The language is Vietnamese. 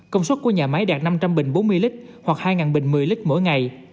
công suất của nhà máy đạt năm trăm linh bình bốn mươi lít hoặc hai bình một mươi lít mỗi ngày